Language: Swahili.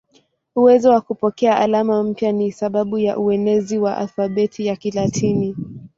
Uwezo wa kupokea alama mpya ni sababu ya uenezi wa alfabeti ya Kilatini.